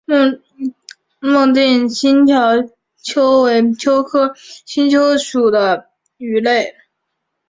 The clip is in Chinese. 孟定新条鳅为鳅科新条鳅属的鱼类。